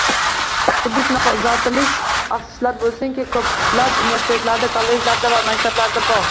Xuddi shunaqa uzilish, afsuslar bo‘lsinki, ko‘plab universitetlarda, kollejlarda va maktablarda bor